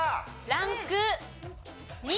ランク２。